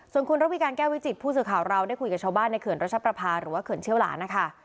ส่วนคุณระวิการแก้ววิจิตผู้สื่อข่าวเราได้คุยกับชาวบ้านในเขื่อนรัชประพาหรือว่าเขื่อนเชี่ยวหลานนะคะ